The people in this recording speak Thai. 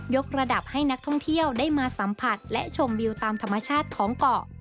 กระดับให้นักท่องเที่ยวได้มาสัมผัสและชมวิวตามธรรมชาติของเกาะ